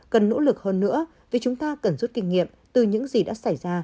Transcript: cần nỗ lực hơn nữa vì chúng ta cần rút kinh nghiệm từ những gì đã xảy ra